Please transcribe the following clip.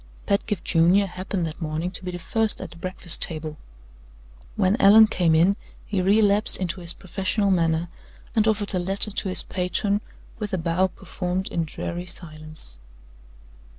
Pedgift Junior happened that morning to be the first at the breakfast table. When Allan came in, he relapsed into his professional manner, and offered a letter to his patron with a bow performed in dreary silence.